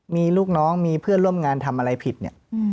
มีลูกน้องมีเพื่อนร่วมงานทำอะไรผิดเนี่ย